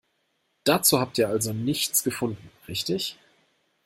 Dazu habt ihr also nichts gefunden, richtig?